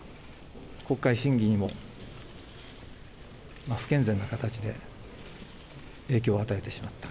国会審議にも不健全な形で影響を与えてしまった。